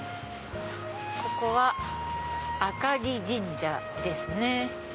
ここは赤城神社ですね。